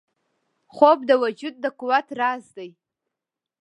خوب د وجود د قوت راز دی